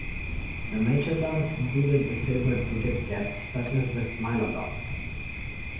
The machairodonts included the saber-toothed cats such as the "Smilodon".